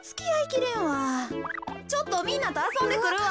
ちょっとみんなとあそんでくるわ。